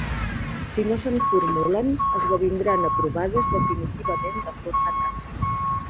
Si no se'n formulen, esdevindran aprovades definitivament de forma tàcita.